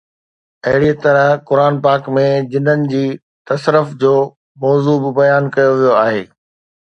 اهڙيءَ طرح قرآن پاڪ ۾ جنن جي تصرف جو موضوع به بيان ڪيو ويو آهي